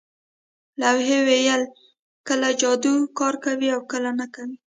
لوحې ویل کله جادو کار کوي او کله نه کوي